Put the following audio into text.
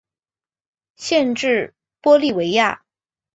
县治玻利维亚。